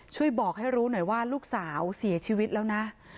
ช่วยบอกให้รู้หน่อยว่าลูกสาวเสียชีวิตแล้วนะ